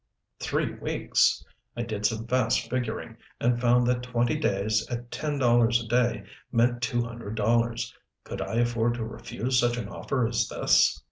Three weeks! I did some fast figuring, and I found that twenty days, at ten dollars a day, meant two hundred dollars. Could I afford to refuse such an offer as this?